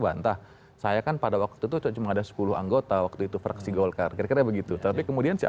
bantah saya kan pada waktu itu cuma ada sepuluh anggota waktu itu fraksi golkar kira kira begitu tapi kemudian